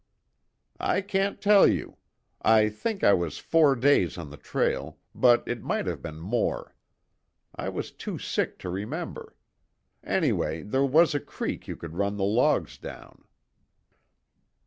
"I can't tell you. I think I was four days on the trail, but it might have been more. I was too sick to remember. Anyway, there was a creek you could run the logs down."